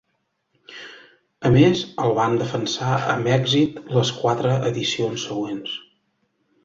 A més, el van defensar amb èxit les quatre edicions següents.